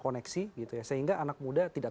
koneksi gitu ya sehingga anak muda tidak